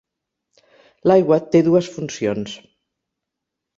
L'aigua té dues funcions.